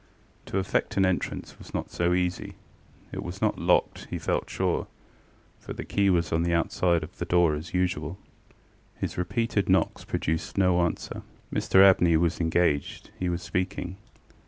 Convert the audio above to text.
To effect an entrance was not so easy. It was not locked, he felt sure, for the key was on the outside of the door as usual. His repeated knocks produced no answer. Mr Abney was engaged: he was speaking.